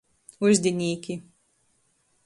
Uzdinīki.